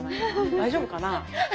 大丈夫かな？